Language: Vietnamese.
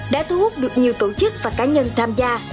đã thu hút được nhiều tổ chức và cá nhân tham gia